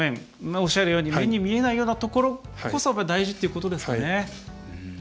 おっしゃるように目に見えないようなところこそが大事ということですね。